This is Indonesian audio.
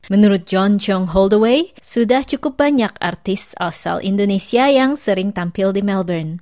menurut john chong hall the way sudah cukup banyak artis asal indonesia yang sering tampil di melbourne